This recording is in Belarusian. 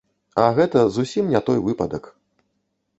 А гэта зусім не той выпадак.